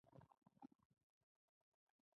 هندوکش د افغانستان د بڼوالۍ برخه ده.